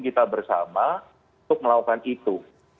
kita bersama untuk melakukan itu